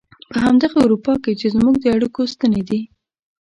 په همدغه اروپا کې چې زموږ د اړيکو ستنې دي.